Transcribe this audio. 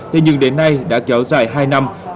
thế nhưng đến nay đã kéo dài hai năm